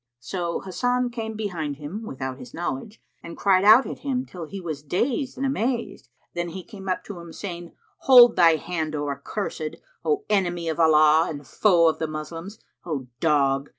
So Hasan came behind him, without his knowledge, and cried out at him till he was dazed and amazed. Then he came up to him, saying, "Hold thy hand, O accursed! O enemy of Allah and foe of the Moslems! O dog!